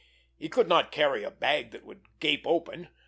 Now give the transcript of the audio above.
He could not carry a bag that would gape open!